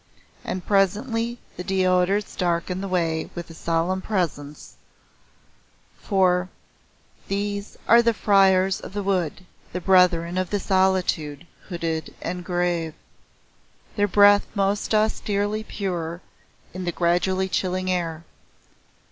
And presently the deodars darken the way with a solemn presence, for "These are the Friars of the wood, The Brethren of the Solitude Hooded and grave " their breath most austerely pure in the gradually chilling air.